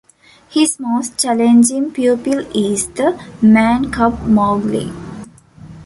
His most challenging pupil is the "man-cub" Mowgli.